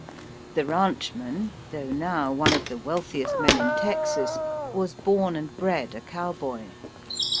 The rancheman, though now one of the wealthiest men in Texas, was born and bred a cowboy.